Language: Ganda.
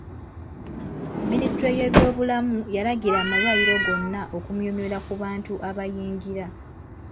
Minisitule y'eby'obulamu yalagira amalwaliro gonna okumyumyula ku bantu abayingira.